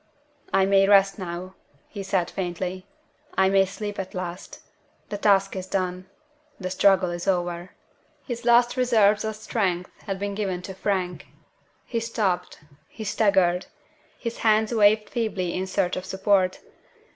"I may rest now," he said, faintly. "I may sleep at last. The task is done. The struggle is over." His last reserves of strength had been given to Frank. He stopped he staggered his hands waved feebly in search of support.